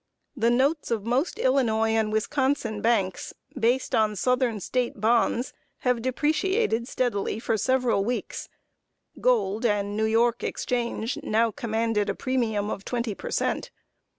The notes of most Illinois and Wisconsin banks, based on southern State bonds, having depreciated steadily for several weeks, gold and New York exchange now commanded a premium of twenty per cent.